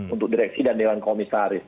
untuk direksi dan dewan komisaris